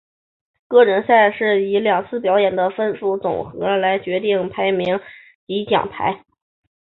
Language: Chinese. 个人赛是以两次表演的分数总和来决定排名及奖牌。